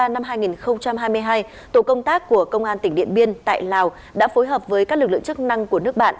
năm hai nghìn hai mươi hai tổ công tác của công an tỉnh điện biên tại lào đã phối hợp với các lực lượng chức năng của nước bạn